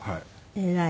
偉い。